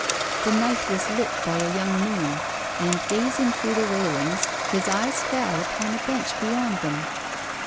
The night was lit by a young moon, and, gazing through the railings, his eyes fell upon a bench beyond them.